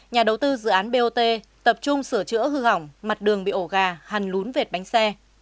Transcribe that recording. nhà đầu tư dự án bot tập trung sửa chữa hư hỏng mặt đường bị ổ gà hẳn lún vệt bánh xe